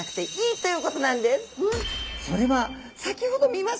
それは先ほど見ました